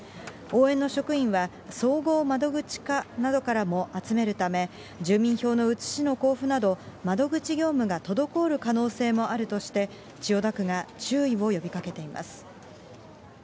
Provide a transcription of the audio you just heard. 応援の職員は、総合窓口課などからも集めるため、住民票の写しの交付など、窓口業務が滞る可能性もあるとして、千代田区が注意を呼びかけています。